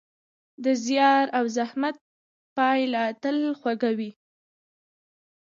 د زیار او زحمت پایله تل خوږه وي.